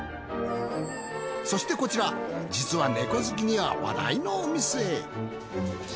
そしてこちら実はネコ好きには話題のお店。